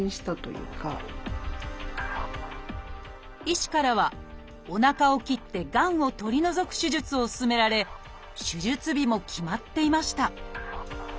医師からはおなかを切ってがんをとり除く手術を勧められ手術日も決まっていました